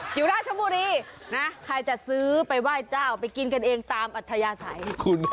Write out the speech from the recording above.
อยู่ราชบุรีนะใครจะซื้อไปไหว้เจ้าไปกินกันเองตามอัธยาศัย